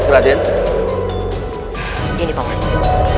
terima kasih pak manor